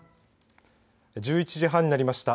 １１時半になりました。